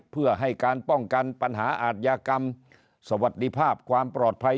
เพื่อให้การป้องกันปัญหาอาทยากรรมสวัสดีภาพความปลอดภัย